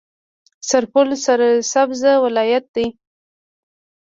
سرپل سرسبزه ولایت دی.